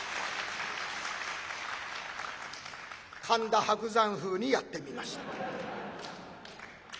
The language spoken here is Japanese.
神田伯山風にやってみました。